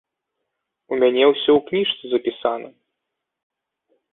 У мяне ўсё ў кніжцы запісана.